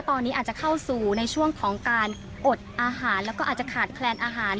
ตอนนี้อาจจะเข้าสู่ในช่วงของการอดอาหารแล้วก็อาจจะขาดแคลนอาหาร